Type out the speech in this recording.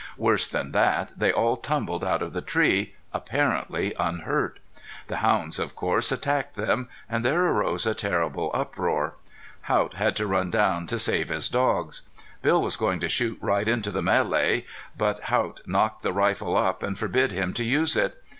Worse than that they all tumbled out of the tree apparently unhurt. The hounds, of course, attacked them, and there arose a terrible uproar. Haught had to run down to save his dogs. Bill was going to shoot right into the melee, but Haught knocked the rifle up, and forbid him to use it.